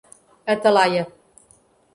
Atalaia